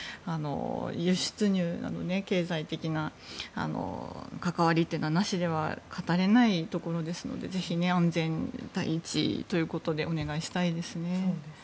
輸出入など経済的な関わりというのはなしでは語れないところなのでぜひ、安全第一ということでお願いしたいですね。